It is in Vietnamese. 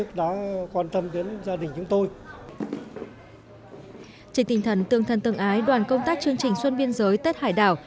chính tình thần tương thân tương ái đoàn công tác chương trình xuân biên giới tết hải đảo